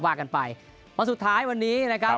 ว่ากันไปวันสุดท้ายวันนี้นะครับ